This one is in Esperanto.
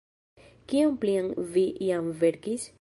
Kion plian vi jam verkis?